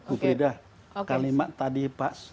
ufidah kalimat tadi pak